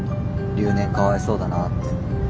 留年かわいそうだなって。